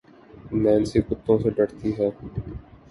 Nancy کتّوں سے درتی ہے